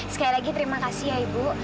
sekali lagi terima kasih ya ibu